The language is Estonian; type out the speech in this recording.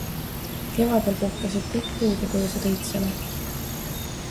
Kevadel puhkesid kõik puud ja põõsad õitsele.